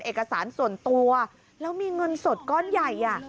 เอกสารส่วนตัวแล้วมีเงินสดก้อนใหญ่